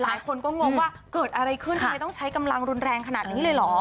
หลายคนก็งงว่าเกิดอะไรขึ้นทำไมต้องใช้กำลังรุนแรงขนาดนี้เลยเหรอ